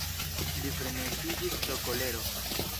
Li freneziĝis pro kolero.